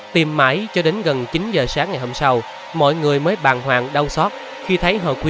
tìm mãi cho đến gần chín giờ sáng ngày hôm sau mọi người mới bàn hoàng đau xót